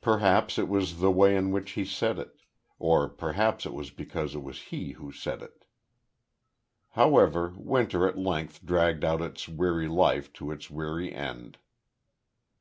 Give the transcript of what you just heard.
Perhaps it was the way in which he said it; or perhaps it was because it was he who said it. However, winter at length dragged out its weary life to its weary end.